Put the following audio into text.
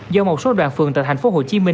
do một số đoàn phường tại tp hcm